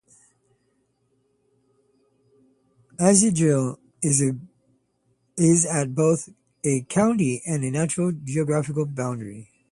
Aisgill is at both a county and a natural geographical boundary.